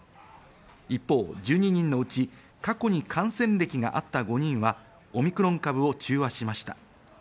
一方、１２人のうち過去に感染歴があった５人はオミクロン株を中和しました。